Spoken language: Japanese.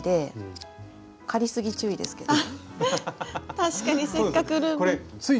確かにせっかくループ。